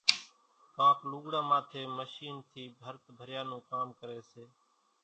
ڪانڪ لوُڳڙان ماٿيَ مشينين ٿِي ڀرت ڀريا نون ڪام ڪريَ سي۔